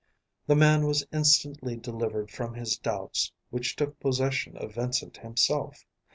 The man was instantly delivered from his doubts, which took possession of Vincent himself.